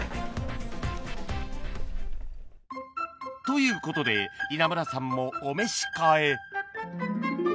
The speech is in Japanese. ということで稲村さんもお召し替え